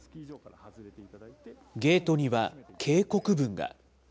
ゲートには警告文が。